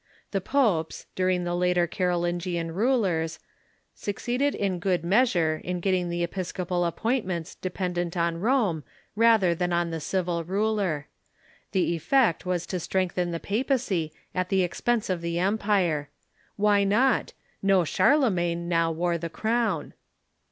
The popes, during the later Carolingian rulers, succeeded in good measure in getting the episcopal appoint ments dependent on Rome rather than on the civil ruler. The effect was to strengthen the papacy at the expense of the em pire. Why not? No Charlemagne now wore the crown.